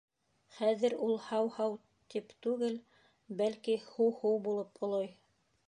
Хәҙер ул «һау-һау» тип түгел, бәлки «һу-һу» булып олой.